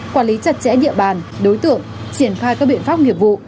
quản lý chặt chẽ địa bàn đối tượng triển khai các biện pháp nghiệp vụ